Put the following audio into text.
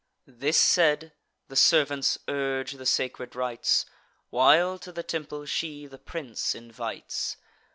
This said, the servants urge the sacred rites, While to the temple she the prince invites.